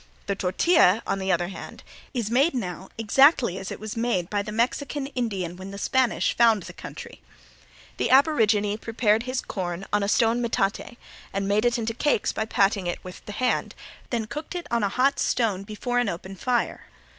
The tortilla, on the other hand, is made now exactly as it was made by the Mexican Indian when the Spanish found the country. The aborigine prepared his corn on a stone metate and made it into cakes by patting it with the hand, then cooked it on a hot stone before an open fire.